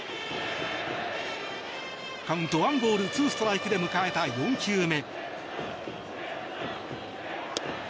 カウント１ボール２ストライクで迎えた４球目。